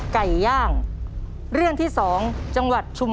ไก่ย่างค่ะ